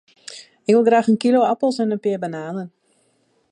Ik wol graach in kilo apels en in pear bananen.